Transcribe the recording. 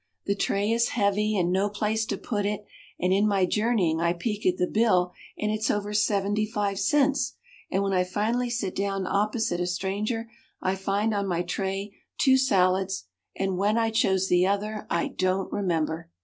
The tray is heavy and no place to put it, and in my journeying I peek at the bill and it's over 75 cents, and when I finally sit down opposite a stranger I find on my tray two salads, and when I chose the other I don't remember.